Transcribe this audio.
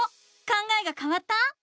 考えがかわった？